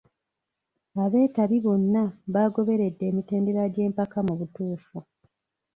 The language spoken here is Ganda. Abeetabi bonna baagoberedde emitendera gy'empaka mu butuufu.